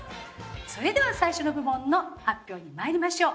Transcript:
それでは最初の部門の発表にまいりましょう。